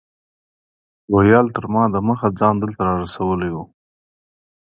روهیال تر ما دمخه ځان دلته رارسولی و.